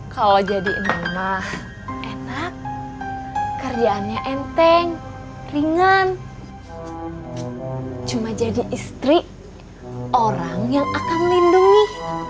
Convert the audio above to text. kalau jadi nama enak kerjaannya enteng ringan cuma jadi istri orang yang akan melindungi